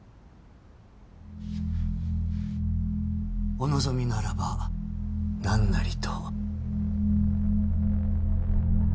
お望みならば何なりと。